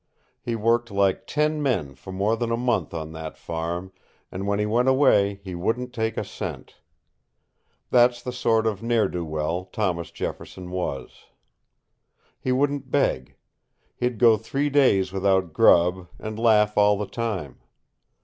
He worked like ten men for more than a month on that farm, and when he went away he wouldn't take a cent. That's the sort of ne'er do well Thomas Jefferson was. He wouldn't beg. He'd go three days without grub, and laugh all the time.